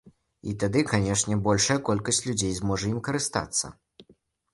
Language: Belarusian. І тады, канечне, большая колькасць людзей зможа ім карыстацца.